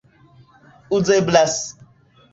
uzeblas